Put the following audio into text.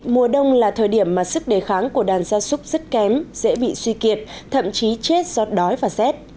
mùa đông là thời điểm mà sức đề kháng của đàn gia súc rất kém dễ bị suy kiệt thậm chí chết do đói và rét